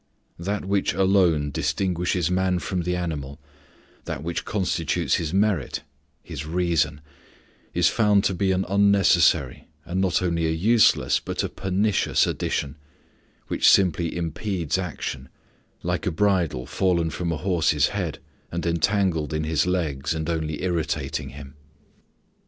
That which alone distinguishes man from the animal, that which constitutes his merit his reason is found to be an unnecessary, and not only a useless, but a pernicious addition, which simply impedes action, like a bridle fallen from a horse's head, and entangled in his legs and only irritating him.